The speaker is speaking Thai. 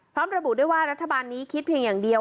พร้อมระบุด้วยว่ารัฐบาลนี้คิดเพียงอย่างเดียว